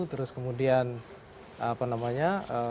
terus kemudian apa namanya